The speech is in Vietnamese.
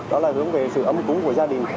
đó là hướng về sự ấm cúng của gia đình